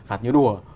phạt như đùa